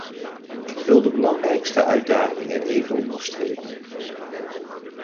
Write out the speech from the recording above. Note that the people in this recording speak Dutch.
Ik wil de belangrijkste uitdagingen even onderstrepen.